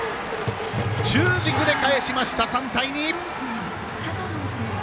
中軸でかえしました、３対２！